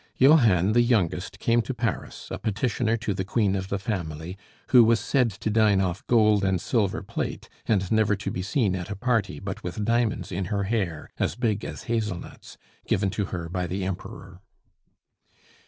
Johann, the youngest, came to Paris, a petitioner to the queen of the family, who was said to dine off gold and silver plate, and never to be seen at a party but with diamonds in her hair as big as hazel nuts, given to her by the Emperor.